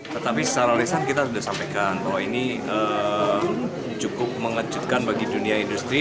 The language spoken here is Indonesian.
tetapi secara lisan kita sudah sampaikan bahwa ini cukup mengejutkan bagi dunia industri